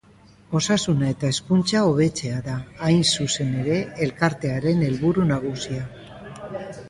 Osasuna eta hezkuntza hobetzea da, hain zuzen ere, elkartearen helburu nagusia.